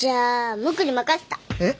えっ？